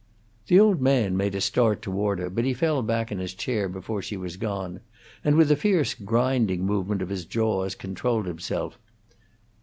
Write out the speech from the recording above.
The old man made a start toward her, but he fell back in his chair before she was gone, and, with a fierce, grinding movement of his jaws, controlled himself.